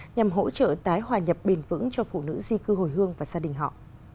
nhằm hỗ trợ tái hòa nhập bền vững cho phụ nữ di cư hồi hương và gia đình họ